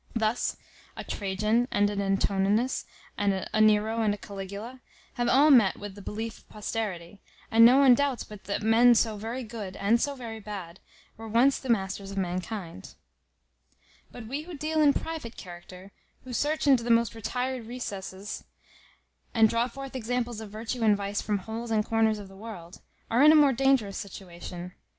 Thus a Trajan and an Antoninus, a Nero and a Caligula, have all met with the belief of posterity; and no one doubts but that men so very good, and so very bad, were once the masters of mankind. But we who deal in private character, who search into the most retired recesses, and draw forth examples of virtue and vice from holes and corners of the world, are in a more dangerous situation.